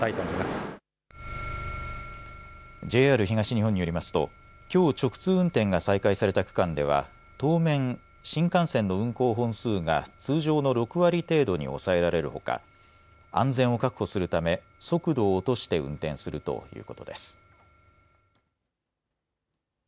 ＪＲ東日本によりますときょう直通運転が再開された区間では当面、新幹線の運行本数が通常の６割程度に抑えられるほか安全を確保するため速度を落として運転するということです。